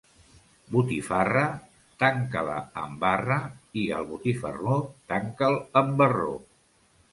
Botifarra, tanca-la amb barra, i el botifarró, tanca'l amb barró.